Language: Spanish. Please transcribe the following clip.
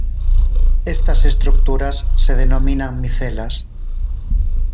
Estas estructuras se denominan micelas.